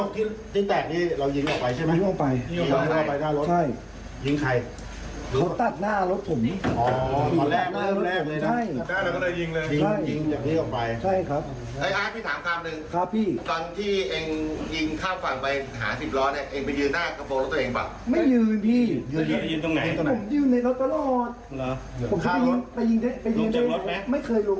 ทำไมน่ะครั้งนี้คุณจงที่แตกนี้เรายิงออกไปใช่ไหม